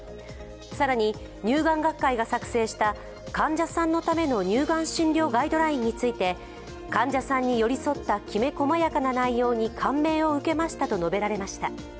更に、乳癌学会が作成した「患者さんのための乳がん診療ガイドライン」について患者さんに寄り添ったきめ細やかな内容に感銘を受けましたと述べられました。